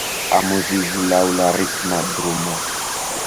Amuziĝu laŭ la ritma drumo